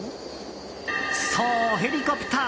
そう、ヘリコプター！